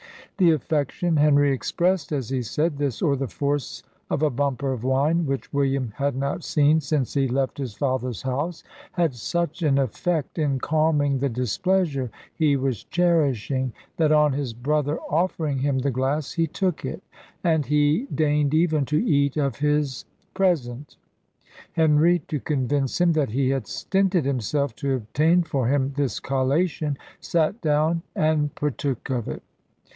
The affection Henry expressed as he said this, or the force of a bumper of wine, which William had not seen since he left his father's house, had such an effect in calming the displeasure he was cherishing, that, on his brother offering him the glass, he took it; and he deigned even to eat of his present. Henry, to convince him that he had stinted himself to obtain for him this collation, sat down and partook of it.